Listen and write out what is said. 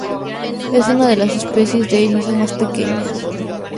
Es una de las especias de erizo más pequeñas.